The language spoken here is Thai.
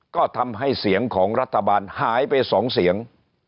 ก็ทำให้เสียงของรัฐบาลหายไป๒เสียง